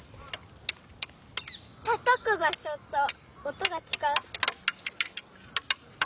たたくばしょとおとがちがう。